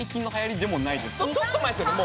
ちょっと前ですよね